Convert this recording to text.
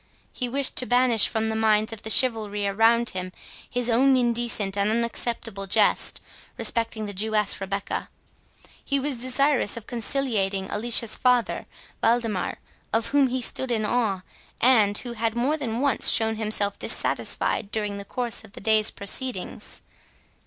He wished to banish from the minds of the chivalry around him his own indecent and unacceptable jest respecting the Jewess Rebecca; he was desirous of conciliating Alicia's father Waldemar, of whom he stood in awe, and who had more than once shown himself dissatisfied during the course of the day's proceedings.